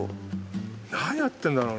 何やってんだろう？